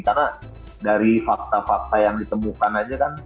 karena dari fakta fakta yang ditemukan aja kan